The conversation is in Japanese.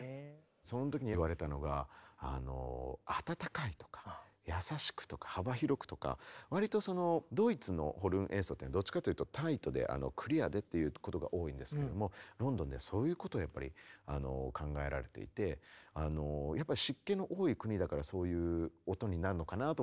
その時に言われたのがわりとドイツのホルン演奏ってどっちかというとタイトでクリアでっていうことが多いんですけどもロンドンではそういうことをやっぱり考えられていてやっぱり湿気の多い国だからそういう音になるのかなとも。